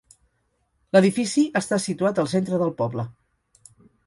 L'edifici està situat al centre del poble.